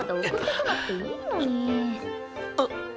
あっ。